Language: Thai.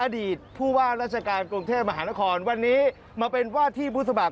อดีตผู้ว่าราชการกรุงเทพมหานครวันนี้มาเป็นว่าที่ผู้สมัคร